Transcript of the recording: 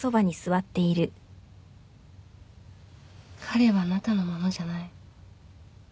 彼はあなたのものじゃない